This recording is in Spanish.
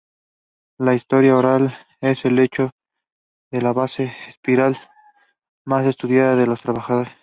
La historia oral es de hecho la base empírica más estudiada de sus trabajos.